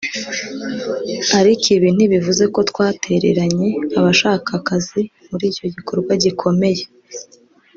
Ariko ibi ntibivuze ko twatereranye abashaka akazi muri icyo gikorwa gikomeye